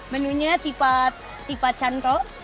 menunya tipat cantok